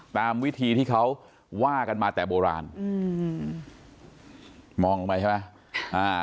ตามวิธีที่เขาว่ากันมาแต่โบราณอืมมองลงไปใช่ไหมอ่า